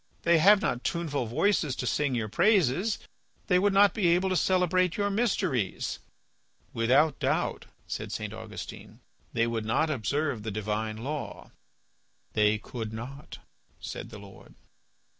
"They have not tuneful voices to sing your praises. They would not be able to celebrate your mysteries." "Without doubt," said St. Augustine, "they would not observe the divine law." "They could not," said the Lord.